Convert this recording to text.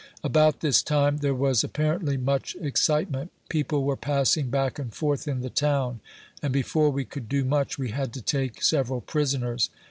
About this time, there was apparently much excitement. People were passing back and forth in the town, and before we could do much, we had to take seve ral prisoners.